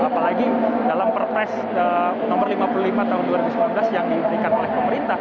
apalagi dalam perpres nomor lima puluh lima tahun dua ribu sembilan belas yang diberikan oleh pemerintah